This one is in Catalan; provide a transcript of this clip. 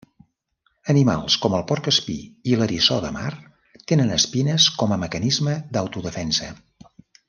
Animals com el porc espí i l'eriçó de mar tenen espines com a mecanisme d'autodefensa.